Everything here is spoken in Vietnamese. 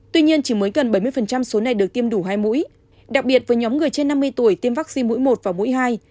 tuy nhiên chỉ mới gần bảy mươi số này được tiêm đủ hai mũi đặc biệt với nhóm người trên năm mươi tuổi tiêm vaccine mũi một và mũi hai